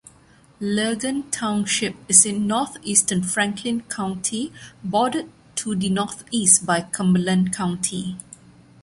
Lurgan Township is in northeastern Franklin County, bordered to the northeast by Cumberland County.